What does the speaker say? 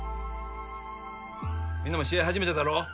みんなも試合初めてだろ？